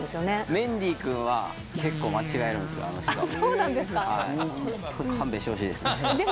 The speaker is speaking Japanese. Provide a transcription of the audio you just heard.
メンディー君は結構間違えるそうなんですか。